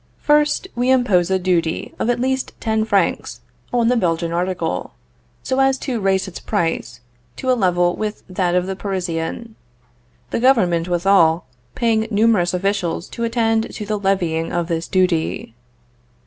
First, we impose a duty of at least ten francs on the Belgian article, so as to raise its price to a level with that of the Parisian; the government withal, paying numerous officials to attend to the levying of this duty.